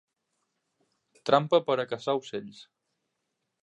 Trampa per a caçar ocells.